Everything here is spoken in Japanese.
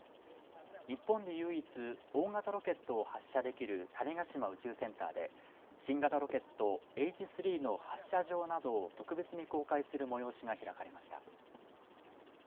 日本で唯一大型ロケットを発射できる種子島宇宙センターで新型ロケットＨ３の発射場などを特別に公開する催しが開かれました。